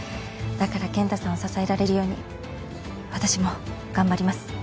だから健太さんを支えられるように私も頑張ります。